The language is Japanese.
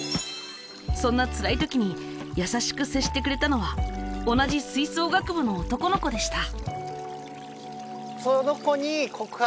そんなつらいときにやさしく接してくれたのは同じ吹奏楽部の男の子でした。